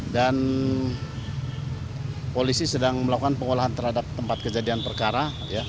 dan polisi sedang melakukan pengolahan terhadap tempat kejadian perkara